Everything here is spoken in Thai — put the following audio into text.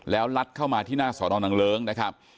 แล้วลัดเข้ามาที่หน้าสอนอนางเลิ้งนะครับ